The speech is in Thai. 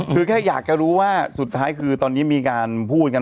คือแค่อยากจะรู้ว่าสุดท้ายคือตอนนี้มีการพูดกัน